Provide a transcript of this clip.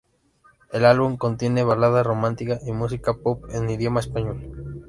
El álbum contiene balada romántica y música pop en Idioma español.